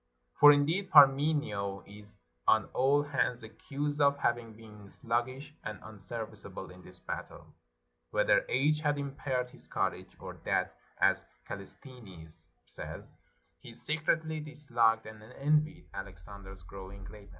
For, indeed, Parmenio is on all hands accused of having been sluggish and unserviceable in this battle, whether age had impaired his courage, or that, as Callisthenes says, he secretly disliked and envied Alexander's growing greatness.